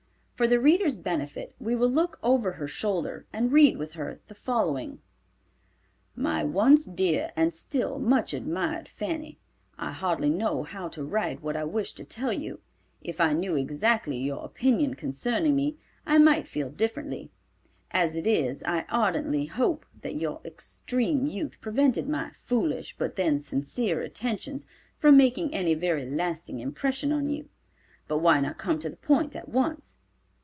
For the reader's benefit we will look over her shoulder and read with her the following: "MY ONCE DEAR AND STILL MUCH ADMIRED FANNY: I hardly know how to write what I wish to tell you. If I knew exactly your opinion concerning me, I might feel differently. As it is I ardently hope that your extreme youth prevented my foolish, but then sincere, attentions from making any very lasting impression on you. But why not come to the point at once.